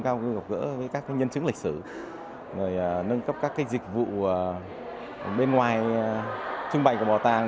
cao gặp gỡ với các nhân chứng lịch sử nâng cấp các dịch vụ bên ngoài trưng bày của bảo tàng